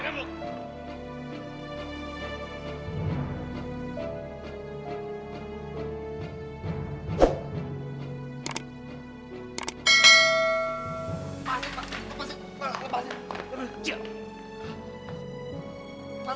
lepasin pak lepasin